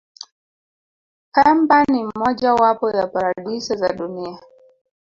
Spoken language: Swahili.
pemba ni moja wapo ya paradiso za dunia